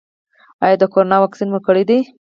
ایا د کرونا واکسین مو کړی دی؟